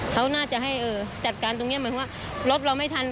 เขาน่าจะให้เออจัดการตรงเนี่ยเหมือนว่ารถเราไม่ทัน